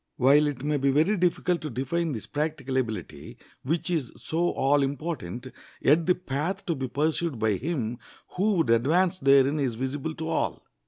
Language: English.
While it may be very difficult to define this practical ability, which is so all important, yet the path to be pursued by him who would advance therein is visible to all.